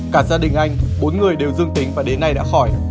cả gia đình anh bốn người đều dương tính và đến nay đã khỏi